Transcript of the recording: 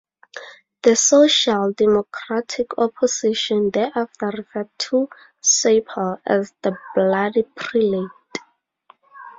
The Social Democratic opposition thereafter referred to Seipel as the "Bloody Prelate".